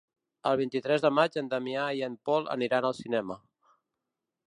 El vint-i-tres de maig en Damià i en Pol aniran al cinema.